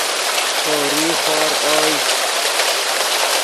پؤریغ خور اوئے